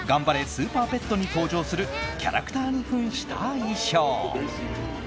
スーパーペット」に登場するキャラクターに扮した衣装。